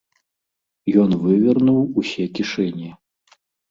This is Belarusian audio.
Ён вывернуў усе кішэні.